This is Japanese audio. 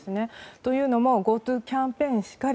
というのもＧｏＴｏキャンペーンしかり